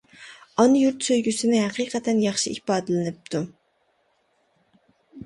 ئانا يۇرت سۆيگۈسىنى ھەقىقەتەن ياخشى ئىپادىلىنىپتۇ.